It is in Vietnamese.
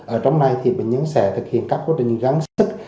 ở trong này thì bệnh nhân sẽ thực hiện các quy trình gắn sức